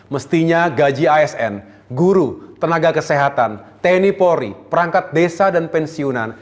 mestinya gaji asn guru tenaga kesehatan tni polri perangkat desa dan pensiunan